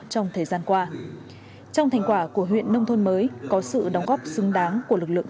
trong thời gian qua trong thành quả của huyện nông thôn mới có sự đóng góp xứng đáng của lực lượng